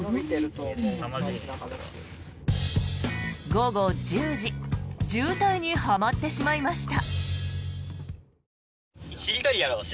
午後１０時渋滞にはまってしまいました。